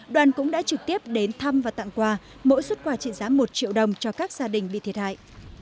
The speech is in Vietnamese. đoàn cũng đã trực tiếp đến thăm và tặng quà mỗi xuất quà trị giá một triệu đồng cho các gia đình bị thiệt hại